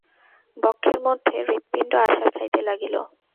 বক্ষের মধ্যে হৃৎপিণ্ড আছাড় খাইতে লাগিল।